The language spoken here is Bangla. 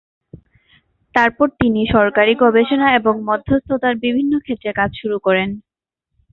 তারপর তিনি সরকারি গবেষণা এবং মধ্যস্থতার বিভিন্ন ক্ষেত্রে কাজ শুরু করেন।